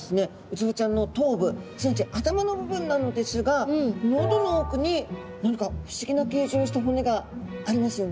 ウツボちゃんの頭部すなわち頭の部分なのですが喉の奥に何か不思議な形状をした骨がありますよね。